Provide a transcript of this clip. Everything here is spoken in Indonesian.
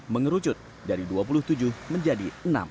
mengerucut dari dua puluh tujuh menjadi enam